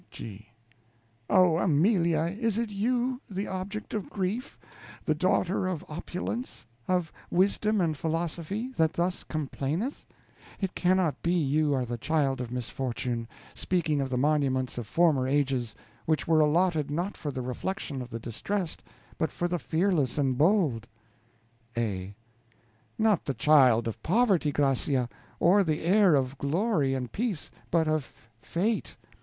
G. Oh, Amelia, is it you, the object of grief, the daughter of opulence, of wisdom and philosophy, that thus complaineth? It cannot be you are the child of misfortune, speaking of the monuments of former ages, which were allotted not for the reflection of the distressed, but for the fearless and bold. A. Not the child of poverty, Gracia, or the heir of glory and peace, but of fate.